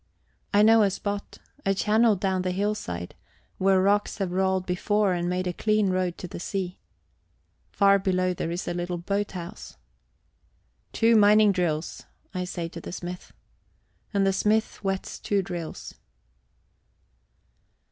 I know a spot a channel down the hillside where rocks have rolled before and made a clean road to the sea. Far below there is a little boat house. "Two mining drills," I say to the smith. And the smith whets two drills...